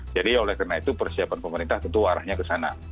jadi oleh karena itu persiapan pemerintah tentu arahnya ke sana